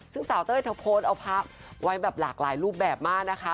ซึ่งสาวเต้ยเธอโพสต์เอาภาพไว้แบบหลากหลายรูปแบบมากนะคะ